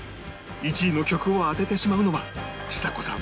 １位の曲を当ててしまうのはちさ子さん？